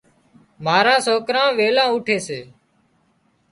ماران سوڪران ويلان اُوٺي سي۔